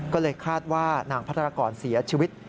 ก็เลยคาดว่านางพัฒนากรเสียชีวิต